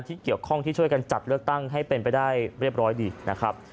ที่เกี่ยวข้องที่ช่วยกันจัดเลือกตั้งให้เป็นไปได้เรียบร้อยดีนะครับ